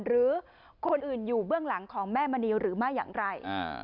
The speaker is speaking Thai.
หรือคนอื่นอยู่เบื้องหลังของแม่มณีหรือไม่อย่างไร